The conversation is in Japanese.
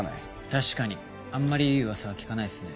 確かにあんまりいい噂は聞かないっすね。